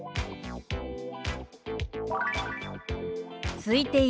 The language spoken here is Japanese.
「すいている」。